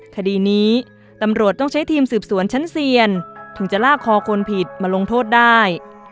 คดีนี้ตำรวจต้องใช้ทีมสืบสวนชั้นเซียนถึงจะลากคอคนผิดมาลงโทษได้